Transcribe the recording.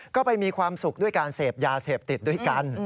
ก็ไปมีความสุขด้วยการเสพยาเสพติดด้วยกัน